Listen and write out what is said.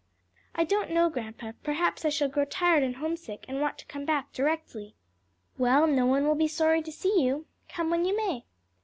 "I don't know, grandpa; perhaps I shall grow tired and homesick, and want to come back directly." "Well, no one will be sorry to see you, come when you may."